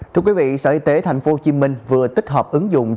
thưa quý vị sở y tế tp hcm vừa tích hợp ứng dụng chủ tịch ubnd tp hcm